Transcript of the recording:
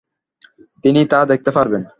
তিনি তা দেখতে পারবেন।